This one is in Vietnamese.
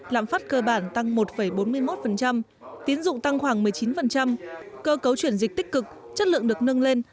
lạm phát cơ bản tăng một bốn mươi một tín dụng tăng khoảng một mươi chín cơ cấu chuyển dịch tích cực chất lượng được nâng lên